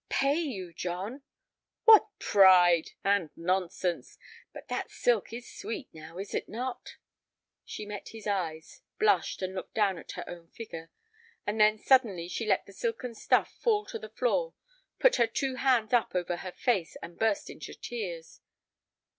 "Pay you, John." "What pride—and nonsense! But that silk is sweet, now, is it not?" She met his eyes, blushed, and looked down at her own figure. And then, suddenly, she let the silken stuff fall to the floor, put her two hands up over her face, and burst into tears.